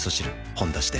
「ほんだし」で